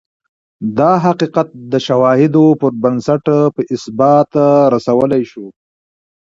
دا حقیقت د شواهدو پر بنسټ په اثبات رسولای شو